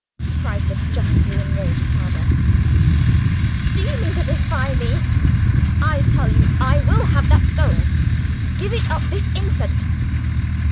cried the justly enraged father, "do you mean to defy me? I tell you I will have that stone! Give it up this instant!"